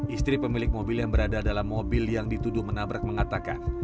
istri pemilik mobil yang berada dalam mobil yang dituduh menabrak mengatakan